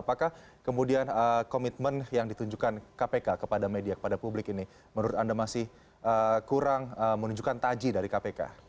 apakah kemudian komitmen yang ditunjukkan kpk kepada media kepada publik ini menurut anda masih kurang menunjukkan taji dari kpk